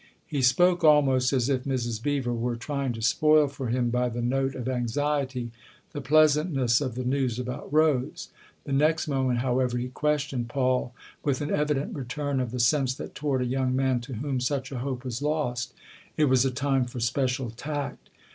He spoke almost as if Mrs. Beever were trying to spoil for him by the note of anxiety the pleasantness of the news about Rose. The next moment, however, he questioned Paul with an evident return of the sense that toward a young man to whom such a hope was lost it was a time for special tact.